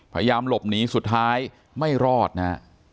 พยายามหลบหนีสุดท้ายไม่รอดนะฮะ